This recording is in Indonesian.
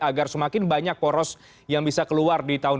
agar semakin banyak poros yang bisa keluar di tahun dua ribu dua puluh